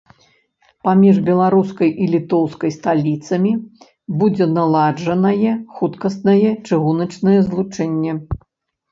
Паміж беларускай і літоўскай сталіцамі будзе наладжанае хуткаснае чыгуначнае злучэнне.